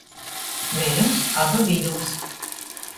Veļums aba viļums.